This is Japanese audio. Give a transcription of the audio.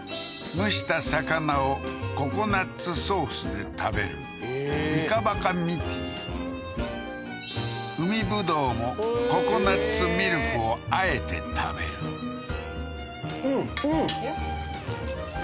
蒸した魚をココナッツソースで食べる海ぶどうもココナッツミルクを和えて食べるうんうん！